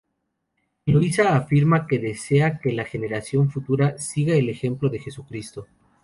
Eloísa afirma que desea que la generación futura siga el ejemplo de Jesucristo.